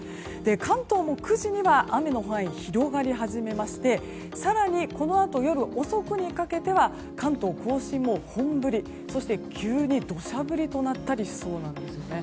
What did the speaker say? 関東も９時には雨の範囲が広がり始めまして更にこのあと夜遅くにかけては関東・甲信、もう本降りそして急に土砂降りとなったりしそうなんです。